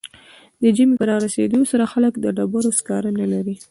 د ژمي په رارسیدو سره خلک د ډبرو سکاره نلري